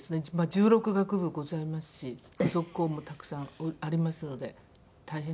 １６学部ございますし付属校もたくさんありますので大変です。